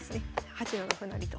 ８七歩成と。